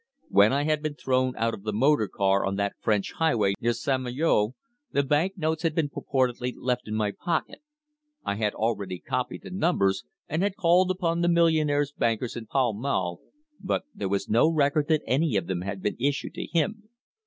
When I had been thrown out of the motor car on that French highway, near St. Malo, the bank notes had been purposely left in my pocket. I had already copied the numbers, and had called upon the millionaire's bankers in Pall Mall, but there was no record that any of them had been issued to him.